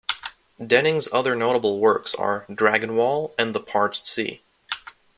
Denning's other notable works are "Dragonwall" and "The Parched Sea".